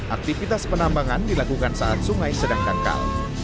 aktivitas penambangan dilakukan saat sungai sedang dangkal